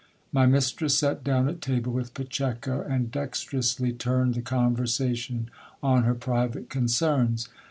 My mistress sat down at table with Pacheco, and dexterously turned the conversation on her private concerns.